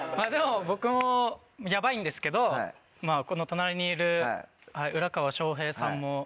僕もヤバいんですけどまぁこの隣にいる浦川翔平さんも。